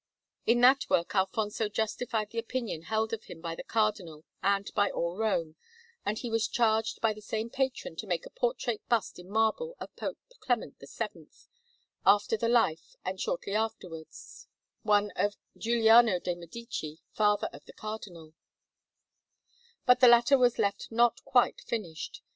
In that work Alfonso justified the opinion held of him by the Cardinal and by all Rome, and he was charged by the same patron to make a portrait bust in marble of Pope Clement VII, after the life, and shortly afterwards one of Giuliano de' Medici, father of the Cardinal; but the latter was left not quite finished.